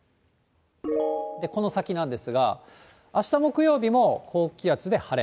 この先なんですが、あした木曜日も高気圧で晴れ。